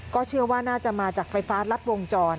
เชื่อว่าน่าจะมาจากไฟฟ้ารัดวงจร